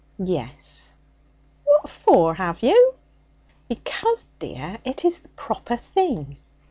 'Yes.' 'What for have you?' 'Because, dear, it is the proper thing.